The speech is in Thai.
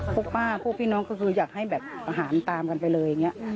พวกป้าพวกพี่น้องก็คืออยากให้แบบอาหารตามกันไปเลยอย่างนี้